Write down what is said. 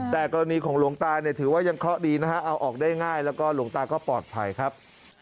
แต่กรณีของหลวงตาเนี่ยถือว่ายังเคราะห์ดีนะฮะเอาออกได้ง่ายแล้วก็หลวงตาก็ปลอดภัยครับ